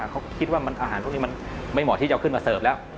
เขาคิดว่าอาหารพวกนี้มันไม่เหมาะที่จะเอาขึ้นมาเสิร์ฟแล้ว